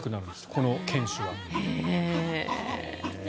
この犬種は。